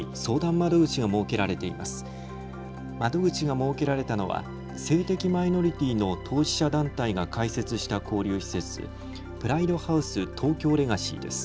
窓口が設けられたのは性的マイノリティーの当事者団体が開設した交流施設、プライドハウス東京レガシーです。